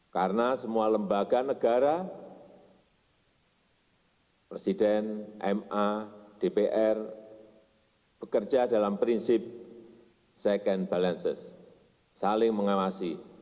karena semua lembaga negara presiden ma dpr bekerja dalam prinsip second balances saling mengawasi